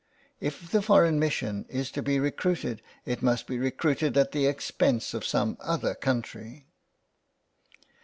If the foreign mission is to be recruited it must be recruited at the expense of some other country."